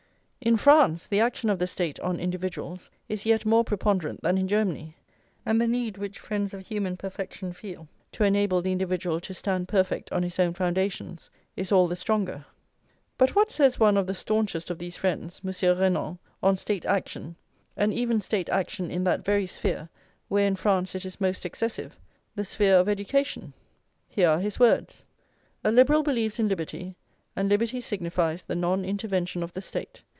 In France the action of the State on individuals is yet more preponderant than in Germany; and the need which friends of human perfection feel to enable the individual to stand perfect on his own foundations is all the stronger. But what says one of the staunchest of these friends, Monsieur Renan, on State action, and even State action in that very sphere where in France it is most excessive, the sphere of education? Here are his words: "A liberal believes in liberty, and liberty signifies the non intervention of the State.